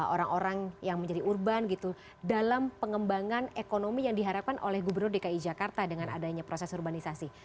orang orang yang menjadi urban gitu dalam pengembangan ekonomi yang diharapkan oleh gubernur dki jakarta dengan adanya proses urbanisasi